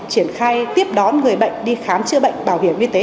triển khai tiếp đón người bệnh đi khám chữa bệnh bảo hiểm y tế